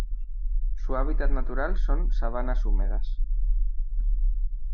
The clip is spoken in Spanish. Su hábitat natural son: sabanas húmedas.